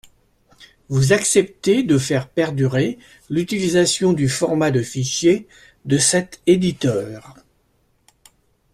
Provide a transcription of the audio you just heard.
Vous acceptez de faire perdurer l'utilisation du format de fichier de cet éditeur.